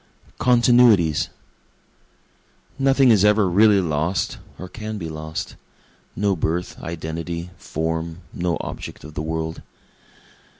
Continuities Nothing is ever really lost, or can be lost, No birth, identity, form no object of the world.